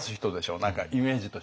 何かイメージとして監督は。